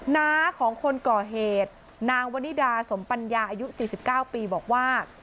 น้าของคนก่อเหตุนางวนิดาสมปัญญาอายุ๔๙ปีบอกว่า